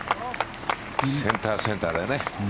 センター、センターだね。